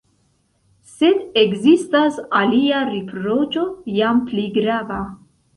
Sed ekzistas alia riproĉo, jam pli grava.